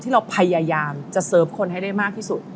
เราพยายามจะเซิร์ฟคนให้ได้มากที่สุด